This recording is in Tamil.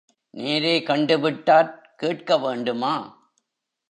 நேரே கண்டு விட்டாற் கேட்க வேண்டுமா?